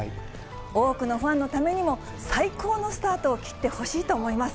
多くのファンのためにも、最高のスタートを切ってほしいと思います。